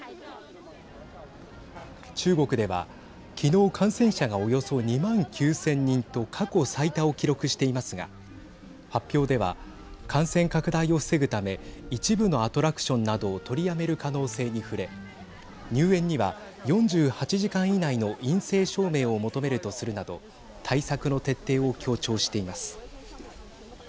中国では昨日、感染者が、およそ２万９０００人と過去最多を記録していますが発表では、感染拡大を防ぐため一部のアトラクションなどを取りやめる可能性に触れ入園には４８時間以内の陰性証明を求めるとするなど対策の徹底を強調しています。